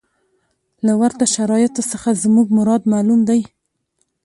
له ورته شرایطو څخه زموږ مراد معلوم دی.